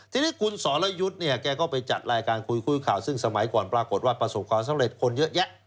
ทีนี้คุณสรยุทธ์เนี่ยแกก็ไปจัดรายการคุยคุยข่าวซึ่งสมัยก่อนปรากฏว่าประสบความสำเร็จคนเยอะแยะ